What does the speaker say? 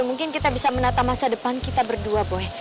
mungkin kita bisa menata masa depan kita berdua boy